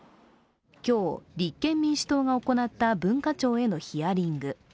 今日、立憲民主党が行った文化庁へのヒアリング。